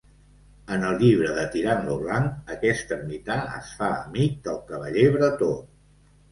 En el llibre de Tirant lo Blanc, aquest ermità es fa amic del cavaller bretó.